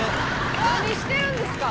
何してるんですか！